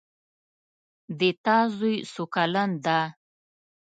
د تا زوی څو کلن ده